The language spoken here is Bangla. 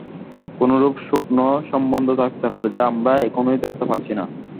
কোনরূপ সূক্ষ্ম সম্বন্ধ থাকতে পারে, যা আমরা এখনও ধরতে পারছি না।